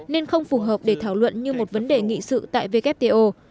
nên không phù hợp để thảo luận như một vấn đề nghị sự tại wto